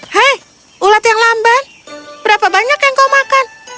hei ulat yang lamban berapa banyak yang kau makan